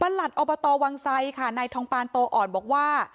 หลัดอบตวังไซค่ะนายทองปานโตอ่อนบอกว่า